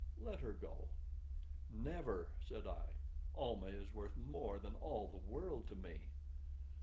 Let her go." "Never!" said I. "Almah is worth more than all the world to me."